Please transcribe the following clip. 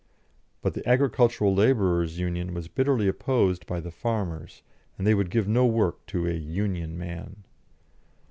But the Agricultural Labourers' Union was bitterly opposed by the farmers, and they would give no work to a "Union man."